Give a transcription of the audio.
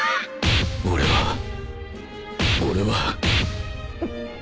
俺は俺は